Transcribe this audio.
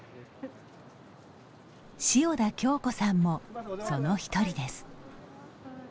塩田京子さんもその１人です。